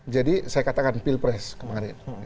jadi saya katakan pilpres kemarin